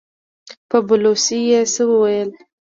په بلوڅي يې څه وويل!